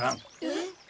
えっ？